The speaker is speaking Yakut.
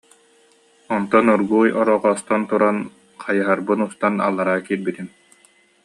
Онтон оргууй орҕостон туран, хайыһарбын устан аллара киирбитим